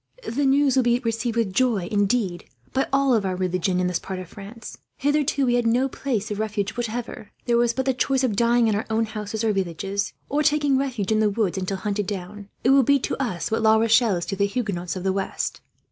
"The news will be received with joy, indeed, by all of our religion in this part of France. Hitherto we have had no place of refuge, whatever. There was but the choice of dying in our own houses or villages, or taking refuge in the woods until hunted down. It will be, to us, what La Rochelle is to the Huguenots of the west.